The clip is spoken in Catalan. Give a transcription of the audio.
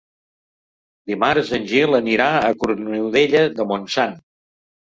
Dimarts en Gil irà a Cornudella de Montsant.